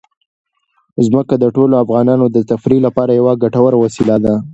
ځمکه د ټولو افغانانو د تفریح لپاره یوه ګټوره وسیله ده.